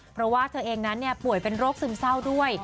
เพราะว่าเธอเองนั้นป่วยเป็นโรคซึมเศร้าด้วย